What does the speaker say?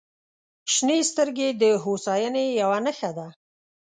• شنې سترګې د هوساینې یوه نښه ده.